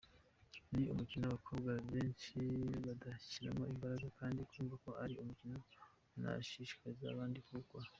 Ni umukino abakobwa benshi badashyiramo imbaraga, kandi nkumva ko ari umukino nashishikariza abandi kuwukora.